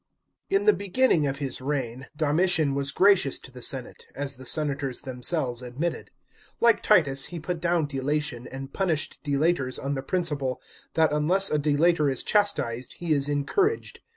§ 16. In the beginning of his reign Domitian was gracious to the senate, as the senators themselves admitted. Like Titus, he put down delation, and punished delators, on the principle* that unless a delator is chastised he is encouraged.